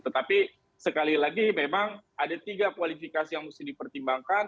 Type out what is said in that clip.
tetapi sekali lagi memang ada tiga kualifikasi yang mesti dipertimbangkan